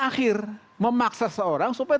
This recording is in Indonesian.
akhir memaksa seorang supaya